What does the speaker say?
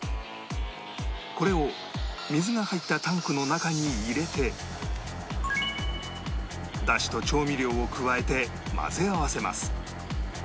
これを水が入ったタンクの中に入れて出汁と調味料を加えて混ぜ合わせます